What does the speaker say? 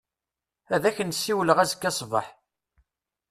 Ad ak-n-siwleɣ azekka ṣṣbeḥ.